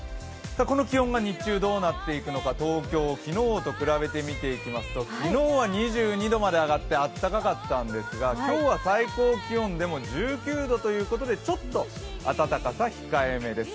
この気温が日中、どうなっていくのか東京、昨日と比べて見ていくと昨日は２２度まで上がってあったかかったんですが、今日は最高気温でも１９度ということでちょっと暖かさ、控えめです。